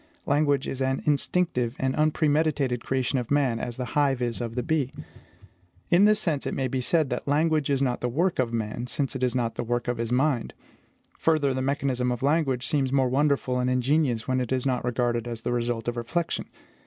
Language is an instinctive and unpremeditated creation of man, as the hive is of the bee. In this sense, it may be said that language is not the work of man, since it is not the work of his mind. Further, the mechanism of language seems more wonderful and ingenious when it is not regarded as the result of reflection.